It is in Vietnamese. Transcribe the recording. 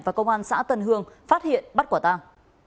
và công an xã tân hương phát hiện bắt quả tàng